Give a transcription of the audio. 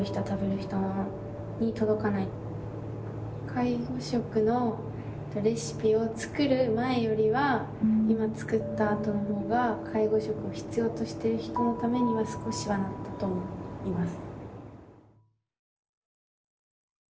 介護食のレシピを作る前よりは今作ったあとの方が介護食を必要としている人のためには少しはなったと思います。